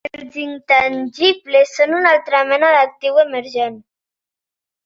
Els intangibles són una altra mena d'actiu emergent.